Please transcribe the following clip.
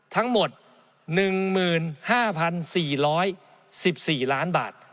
ทั้งหมด๑๐๔๕๔๑๔๐๐๐บาท